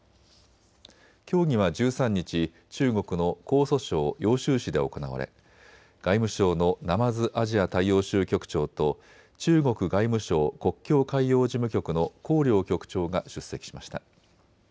協議は１３日、中国の江蘇省揚州市で行われ外務省の鯰アジア大洋州局長と中国外務省国境海洋事務局の洪亮局長が出席しました。